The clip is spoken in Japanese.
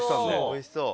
おいしそう。